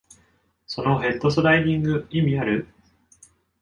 そのヘッドスライディング、意味ある？